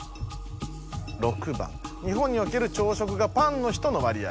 ６番「日本における朝食がパンの人の割合」。